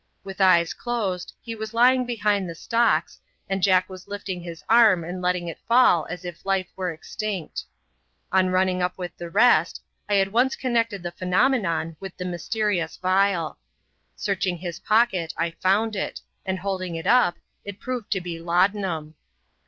With eyes closed, he was lying behind the stocks, and Jack was lifting his arm and letting it fall as if life were extinct. On running up with the rest, I at once con nected the phenomenon with the mysterious vial. Searching his pocket, I found it, and holding it up, it proved to be lauda num.